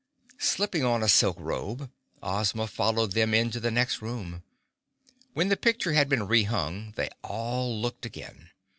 Slipping on a silk robe, Ozma followed them into the next room. When the picture had been rehung, they all looked again.